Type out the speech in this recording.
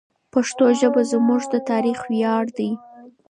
پښتو ژبه زموږ د تاریخ ویاړ دی.